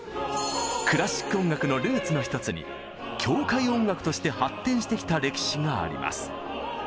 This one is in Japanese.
クラシック音楽のルーツの一つに教会音楽として発展してきた歴史があります。